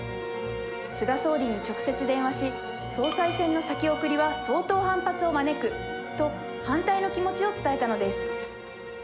菅総理に直接電話し、総裁選の先送りは相当反発を招くと、反対の気持ちを伝えたのです。